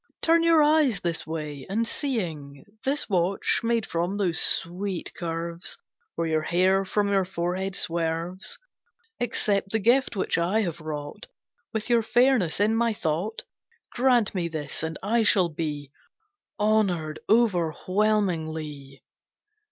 Turn your eyes this way, and seeing This watch, made from those sweet curves Where your hair from your forehead swerves, Accept the gift which I have wrought With your fairness in my thought. Grant me this, and I shall be Honoured overwhelmingly."